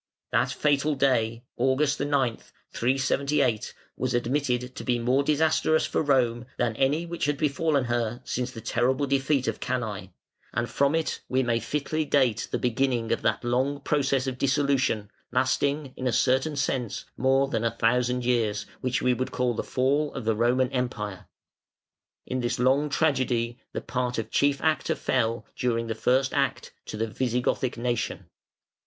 That fatal day (August 9, 378) was admitted to be more disastrous for Rome than any which had befallen her since the terrible defeat of Cannæ, and from it we may fitly date the beginning of that long process of dissolution, lasting, in a certain sense, more than a thousand years, which we call the Fall of the Roman Empire. In this long tragedy the part of chief actor fell, during the first act, to the Visigothic nation.